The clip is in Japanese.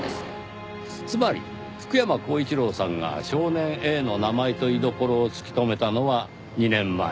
つまり福山光一郎さんが少年Ａの名前と居所を突き止めたのは２年前。